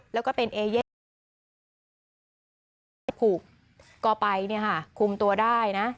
แล้วก็เป็นเอเย่พูกก่อไปคุมตัวได้นะ